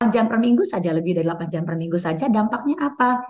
delapan jam per minggu saja lebih dari delapan jam per minggu saja dampaknya apa